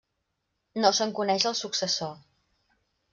No se'n coneix el successor.